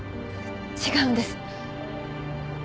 違うんです。